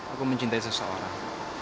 aku mencintai seseorang